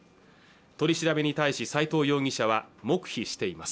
取り調べに対し斉藤容疑者は黙秘しています